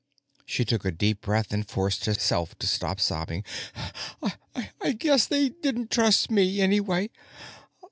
She took a deep breath and forced herself to stop sobbing. "I guess they didn't trust me, anyway.